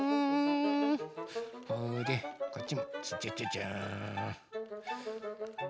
これでこっちもチャチャチャチャーン。